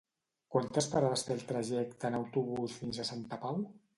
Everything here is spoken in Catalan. Quantes parades té el trajecte en autobús fins a Santa Pau?